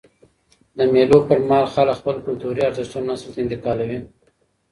د مېلو پر مهال خلک خپل کلتوري ارزښتونه نسل ته انتقالوي.